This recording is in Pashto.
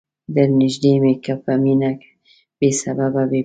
درنیژدې می که په مینه بې سببه بې پوښتنی